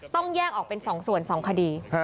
ต้องแยกออกเป็นสองส่วนสองคดี